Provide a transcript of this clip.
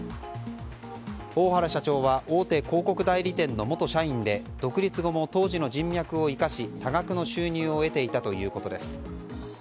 大原社長は大手広告代理店の元社員で独立後も当時の人脈を生かし多額の収入を得ていたということです。